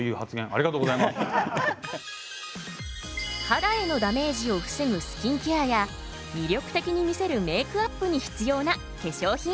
肌へのダメージを防ぐスキンケアや魅力的に見せるメークアップに必要な化粧品。